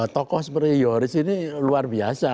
tokoh seperti yoris ini luar biasa